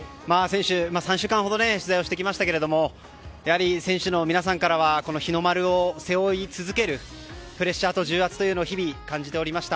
３週間ほど取材をしてきましたがやはり選手の皆さんからは日の丸を背負い続けるプレッシャーと重圧というのを日々、感じておりました。